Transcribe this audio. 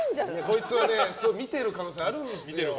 こいつは見てる可能性あるんですよ。